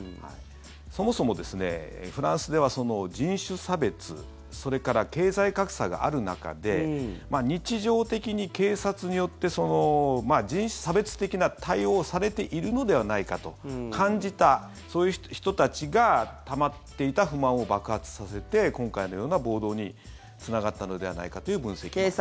そもそもですね、フランスでは人種差別それから経済格差がある中で日常的に警察によって人種差別的な対応をされているのではないかと感じたそういう人たちがたまっていた不満を爆発させて今回のような暴動につながったのではないかという分析もあります。